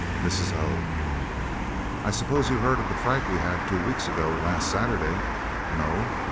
Mrs. O. "I suppose you heard of the fright we had two weeks ago last Saturday? No?